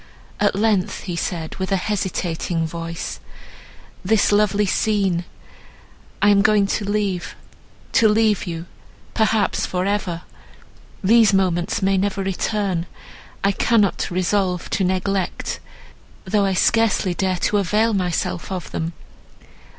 At length he said, with a hesitating voice, "This lovely scene!—I am going to leave—to leave you—perhaps for ever! These moments may never return; I cannot resolve to neglect, though I scarcely dare to avail myself of them.